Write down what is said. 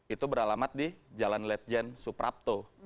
itu beralamat di jalan ledjen suprapto